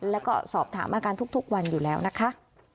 แล้วก็สอบถามอาการทุกวันอยู่แล้วนะคะ